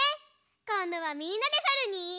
こんどはみんなでさるに。